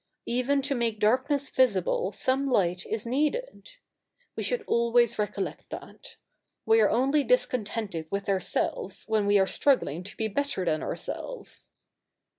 Even to make darkness visible some light is needed. We should always recollect that. We are only dis contented with ourselves when we are struggling to be better than ourselves.'